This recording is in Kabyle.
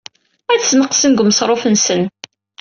Ad ssneqsen deg umeṣruf-nsen.